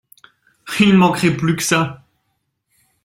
Il ne manquerait plus que ça !